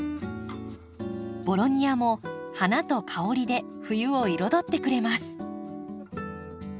ボロニアも花と香りで冬を彩ってくれます。